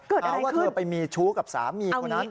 เกิดอะไรขึ้นเขาว่าเธอไปมีชู้กับสามีคนนั้น